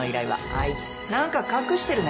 あいつ何か隠してるね。